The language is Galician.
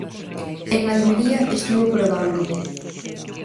En Almería estivo probando.